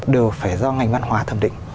đều phải do ngành văn hóa thẩm định